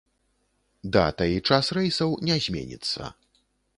Дата і час рэйсаў не зменіцца.